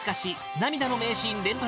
涙の名シーン連発！